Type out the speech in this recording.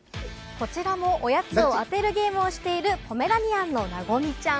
こちらも、おやつを当てるゲームをしているポメラニアンのなごみちゃん。